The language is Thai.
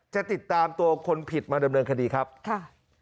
จะติดตามตัวคนผิดมาเริ่มเริ่มคดีครับค่ะ